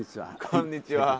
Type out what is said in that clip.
こんにちは。